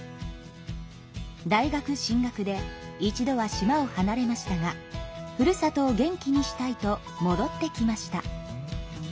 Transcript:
大学進学で一度は島を離れましたがふるさとを元気にしたいともどってきました。